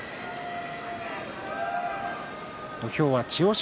土俵は千代翔